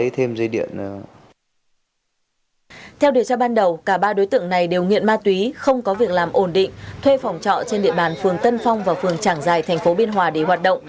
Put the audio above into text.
theo điều tra ban đầu cả ba đối tượng này đều nghiện ma túy không có việc làm ổn định